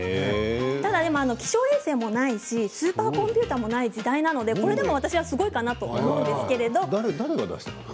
気象衛星もないですしスーパーコンピューターもない時代なのでこれでもすごいかなと思うんですけれど。